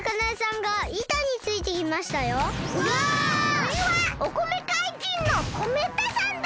おれはお米かいじんのこめったさんだ！